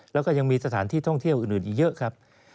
แล้วมีสถานที่ท่องเที่ยวอื่นเยอะครับ